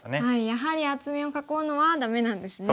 やはり厚みを囲うのはダメなんですね。